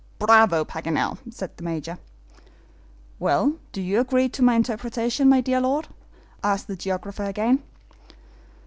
"Bravo, Paganel!" said the Major. "Well, do you agree to my interpretation, my dear Lord?" asked the geographer again.